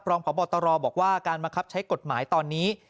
ปรองของปอตรบอกว่าการมะครับใช้กฎหมายตอนนี้